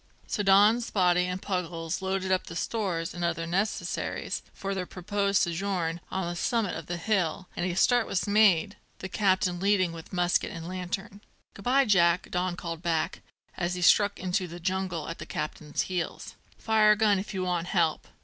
So Don, Spottie, and Puggles loaded up with the stores and other necessaries for their proposed sojourn on the summit of the hill, and a start was made, the captain leading with musket and lantern. "Good bye, Jack!" Don called back, as he struck into the jungle at the captain's heels. "'Fire a gun if you want help."